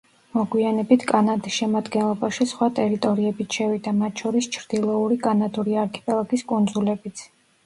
მოგვიანებით კანადის შემადგენლობაში სხვა ტერიტორიებიც შევიდა, მათ შორის ჩრდილოური კანადური არქიპელაგის კუნძულებიც.